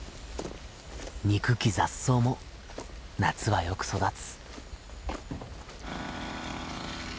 憎き雑草も夏はよく育つ。